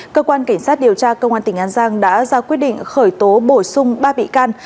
cơ quan cảnh sát điều tra công an tỉnh an giang đã ra quyết định khởi tố bổ sung ba bị can